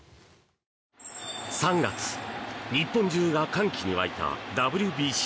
３月日本中が歓喜に沸いたＷＢＣ。